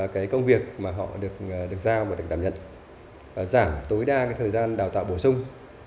cái công việc mà họ được giao và được đảm nhận giảm tối đa cái thời gian đào tạo bổ sung